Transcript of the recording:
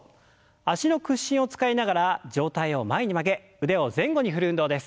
脚の屈伸を使いながら上体を前に曲げ腕を前後に振る運動です。